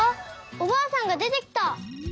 おばあさんがでてきた！